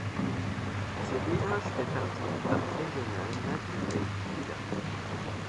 Ce village fait partie du parc régional naturel du Pilat.